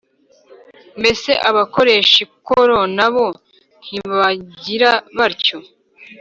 Mbese abakoresha ikoro na bo ntibagira batyo?